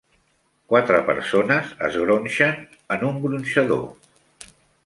Quatre persones es gronxen en un gronxador.